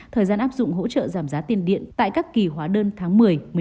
thời gian áp dụng hỗ trợ giảm giá tiền điện tại các kỳ hóa đơn tháng một mươi một mươi một một mươi hai